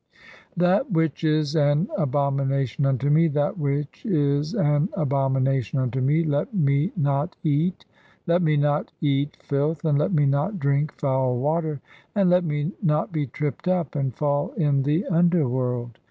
1 That which is an abomination unto me, that "which is an abomination unto me, let me not eat. [Let me not "eat] filth, and let me not drink foul water, and let me not be "tripped up and fall [in the underworld].